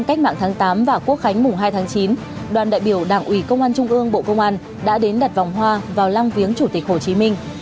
cách mạng tháng tám và quốc khánh mùng hai tháng chín đoàn đại biểu đảng ủy công an trung ương bộ công an đã đến đặt vòng hoa vào lăng viếng chủ tịch hồ chí minh